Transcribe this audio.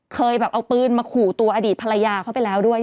เคยแบบเอาปืนมาขู่ตัวอดีตภรรยาเขาไปแล้วด้วย